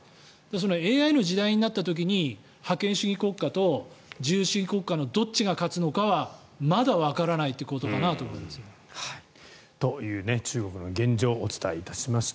そのＡＩの時代になった時に覇権主義国家と自由主義国家のどっちが勝つのかはまだわからないのかなと。という中国の現状をお伝えいたしました。